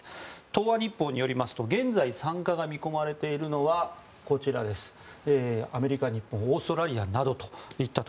東亜日報によりますと現在、参加が見込まれているのはアメリカ、日本オーストラリアなど。